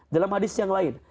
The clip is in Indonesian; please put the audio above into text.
dalam hadith yang lain